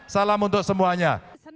salam untuk semuanya